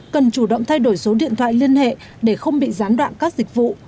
cần chủ động thay đổi số điện thoại liên hệ để không bị gián đoạn các dịch vụ